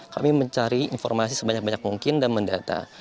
kami mencari informasi sebanyak banyak mungkin dan mendata